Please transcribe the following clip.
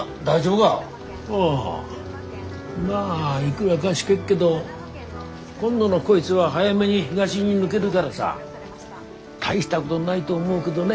まあいくらかしけっけど今度のこいつは早めに東に抜げるからさ大したごどないと思うけどね